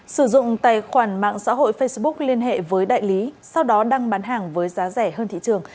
sử dụng tài khoản mạng xã hội facebook liên hệ với đại lý sau đó đăng bán hàng với giá rẻ hơn thị trường